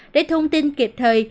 để thông tin kịp thời